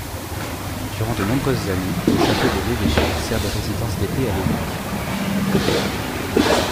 Durant de nombreuses années, le Château de l'Évêché sert de résidence d'été à l'évêque.